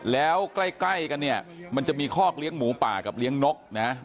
แล้วใกล้กันเนี่ยมันจะมีคอกเลี้ยงหมูป่ากับเลี้ยงนกนะ